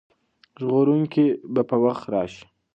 ژغورونکی به په وخت راشي.